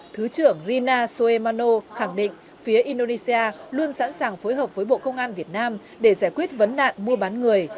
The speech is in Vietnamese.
thứ trưởng rina soemano khẳng định phía indonesia luôn sẵn sàng phối hợp với bộ công an việt nam để giải quyết vấn nạn mua bán người